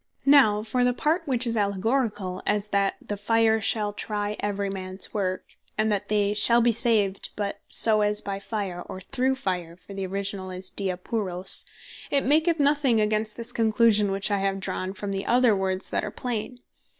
Now for the part which is Allegoricall, as "That the fire shall try every mans work," and that "They shall be saved, but so as by fire," or "through fire," (for the originall is dia puros,) it maketh nothing against this conclusion which I have drawn from the other words, that are plain.